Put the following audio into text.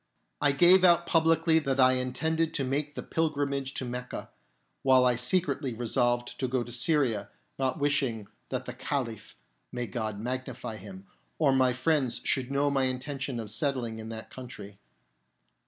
I gave out publicly that I intended to make the pilgrimage to Mecca, while I secretly resolved to go to Syria, not wishing that the Caliph (may God magnify him) or my friends should know my intention of settling in that country.